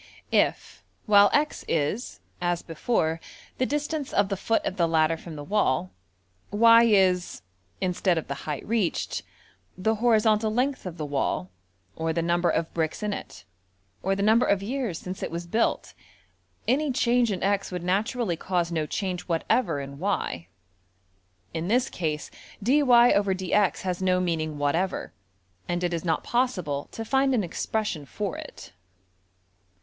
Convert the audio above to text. If, while $x$ is, as before, the distance of the foot of the ladder from the wall, $y$~is, instead of the height reached, the horizontal length of the wall, or the number of bricks in it, or the number of years since it was built, any change in~$x$ would naturally cause no change whatever in~$y$; in this case $\dfrac{dy}{dx}$ has no meaning whatever, and it is not possible to find \DPPageSep{026.png}% an expression for it.